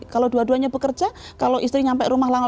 kalau dua duanya bekerja kalau istri sampai rumah langsung